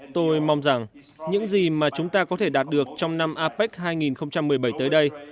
tôi mong rằng những gì mà chúng ta có thể đạt được trong năm apec hai nghìn một mươi bảy tới đây